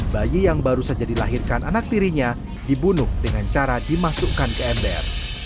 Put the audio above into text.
bayi yang baru saja dilahirkan anak tirinya dibunuh dengan cara dimasukkan ke ember